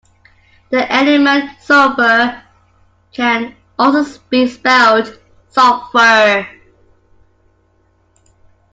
The element sulfur can also be spelled sulphur